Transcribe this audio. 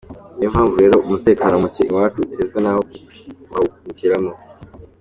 Niyo mpamvu rero umutekano mucye iwacu utezwa nabo kuko bawungukiramo.